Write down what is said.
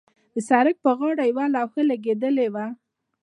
د سړک پر غاړې یوه لوحه لګېدلې وه.